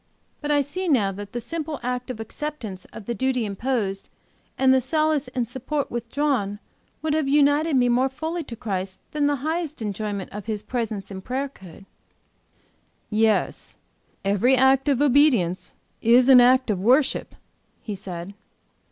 But I see now that the simple act of cheerful acceptance of the duty imposed and the solace and support withdrawn would have united me more fully to Christ than the highest enjoyment of His presence in prayer could." "Yes, every act of obedience is an act of worship," he said.